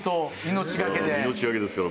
命がけですから。